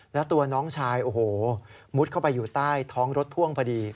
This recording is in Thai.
แล้วตัวน้องชายโอ้โหมุดเข้าไปอยู่ใต้ท้องรถพ่วงพอดี